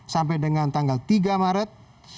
sampai dengan tanggal tiga maret